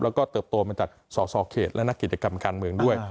แล้วก็เติบโตมาจากสสเขตและนักกิจกรรมการเมืองด้วย